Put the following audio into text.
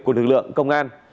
của lực lượng công an